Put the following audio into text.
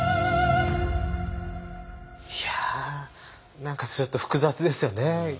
いや何かちょっと複雑ですよね。